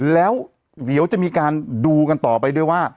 แล้วเดี๋ยวจะมีการดูกันต่อไปด้วยว่า